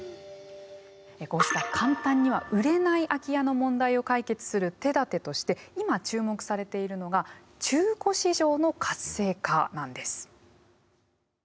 こうした簡単には売れない空き家の問題を解決する手だてとして今注目されているのが中古市場の活性化なんです。